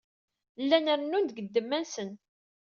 Llan rennun-d seg ddemma-nsen.